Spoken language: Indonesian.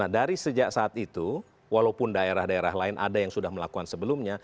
nah dari sejak saat itu walaupun daerah daerah lain ada yang sudah diundang